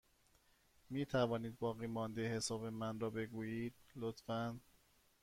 می توانید باقیمانده حساب من را بگویید، لطفا؟